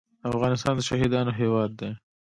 افغانستان د شهیدانو هیواد دی